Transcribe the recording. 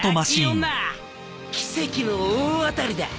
奇跡の大当たりだ！